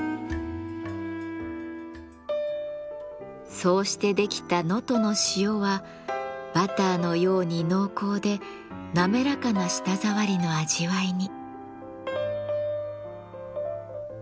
そうして出来た能登の塩はバターのように濃厚でなめらかな舌触りの味わいに。